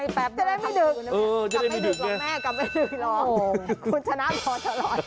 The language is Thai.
จะได้ไม่ดึกลองแม่กลับไม่ดึกหรอกคุณชนะพอตลอด